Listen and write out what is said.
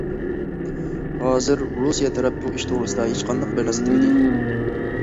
ھازىر رۇسىيە تەرەپ بۇ ئىش توغرىسىدا ھېچقانداق بىر نەرسە دېمىدى.